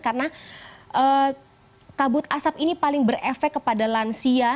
karena kabut asap ini paling berefek kepada lansia